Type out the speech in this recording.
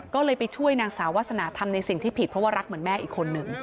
ก็เลยไปช่วยนางสาววาสนาทำในสิ่งที่ผิดเพราะว่ารักเหมือนแม่อีกคนนึง